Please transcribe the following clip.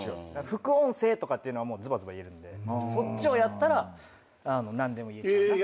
副音声とかっていうのはもうズバズバ言えるんでそっちをやったら何でも言えちゃう。